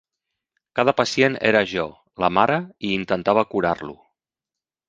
Cada pacient era jo, la mare, i intentava curar-lo.